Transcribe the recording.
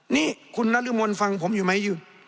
นี่คุณนรมนฟังผมอยู่ไหมอยู่